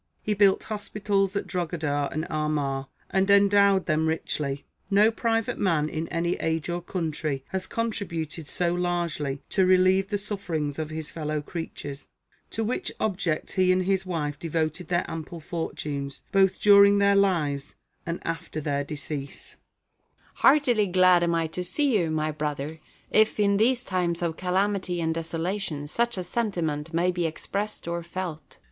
He built hos pitals at Drogheda and Armagh, and endowed them richly No private man, in any age or country, has contributed so largely to relieve the sufferings of his fellow creatures ; to which object he and his wife devoted their ample fortunes, both during their lives and after their decease."] Boulter. Heartily glad am I to see you, my brother, if, in these times of calamity and desolation, such a sentiment may be expressed or felt.